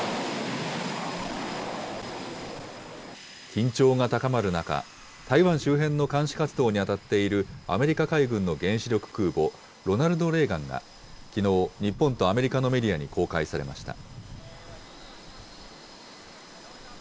緊張が高まる中、台湾周辺の監視活動に当たっているアメリカ海軍の原子力空母ロナルド・レーガンがきのう、日本とアメリカのメディアに公開されました。